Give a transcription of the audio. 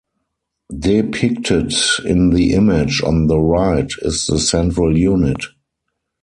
Depicted in the image on the right is the central unit.